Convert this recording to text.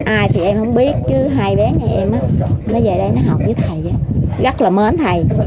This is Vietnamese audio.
ai thì em không biết chứ hai bé nhà em mới về đây nó học với thầy á rất là mến thầy